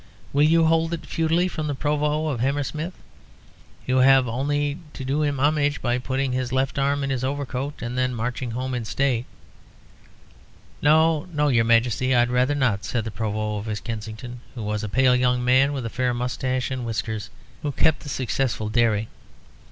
Will you hold it feudally from the Provost of Hammersmith? You have only to do him homage by putting his left arm in his overcoat and then marching home in state." "No, your Majesty; I'd rather not," said the Provost of West Kensington, who was a pale young man with a fair moustache and whiskers, who kept a successful dairy.